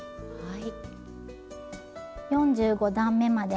はい。